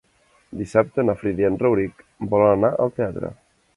Dissabte na Frida i en Rauric volen anar al teatre.